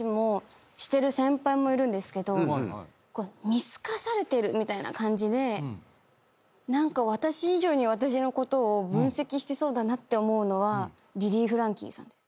見透かされてるみたいな感じで何か私以上に私のことを分析してそうだなって思うのはリリー・フランキーさんです。